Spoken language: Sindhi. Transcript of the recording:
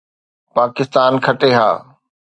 پاڪستان کٽي ها